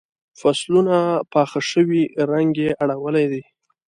فصلونه پاخه شوي رنګ یې اړولی دی.